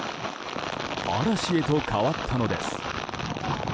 嵐へと変わったのです。